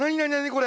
これ。